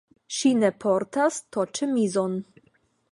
Ŝi ne portas to-ĉemizon